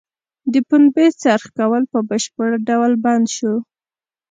د پنبې څرخ کول په بشپړه ډول بند شو.